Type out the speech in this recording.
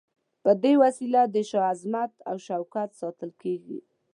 په دې وسیله د شاه عظمت او شوکت ساتل کیږي.